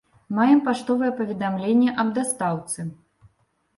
Маем паштовае паведамленне аб дастаўцы.